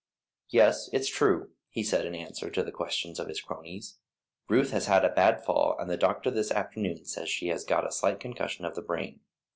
"Yes, it's true," he said in answer to the questions of his cronies, "Ruth has had a bad fall, and the doctor this afternoon says as she has got a slight concussion of the brain.